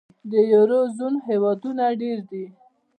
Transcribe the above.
د یورو زون هېوادونه ډېر دي.